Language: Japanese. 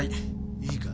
いいか？